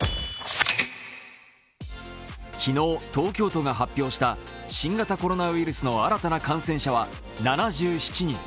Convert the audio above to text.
昨日東京都が発表した新型コロナウイルスの新たな感染者は７７人。